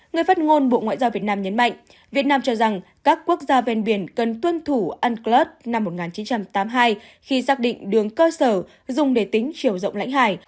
người phát ngôn bộ ngoại giao việt nam nhấn mạnh việt nam cho rằng các quốc gia ven biển cần tuân thủ unclus năm một nghìn chín trăm tám mươi hai khi xác định đường cơ sở dùng để tính chiều rộng lãnh hải